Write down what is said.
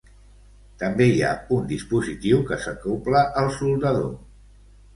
També hi ha un dispositiu que s'acobla al soldador.